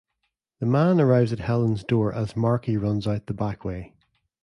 The man arrives at Helen's door as Markie runs out the back way.